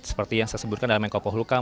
seperti yang saya sebutkan dalam eko pohluka